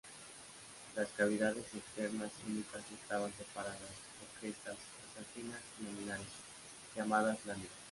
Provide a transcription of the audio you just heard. Las cavidades externas únicas estaban separadas por crestas óseas finas y laminares, llamadas láminas.